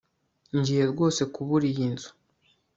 ngiye rwose kubura iyi nzu